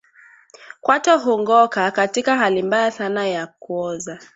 Kwato hungoka katika hali mbaya sana ya kuoza